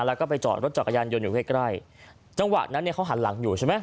แล้วก็ไปจอดรถจักรยานยนต์อยู่ใกล้ใกล้จังหวะนั้นเนี่ยเขาหันหลังอยู่ใช่ไหม